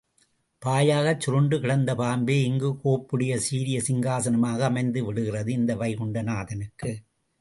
பாயாகச்சுருண்டு கிடந்த பாம்பே இங்கு கோப்புடைய சீரிய சிங்காசனமாக அமைந்து விடுகிறது, இந்த வைகுண்ட நாதனுக்கு.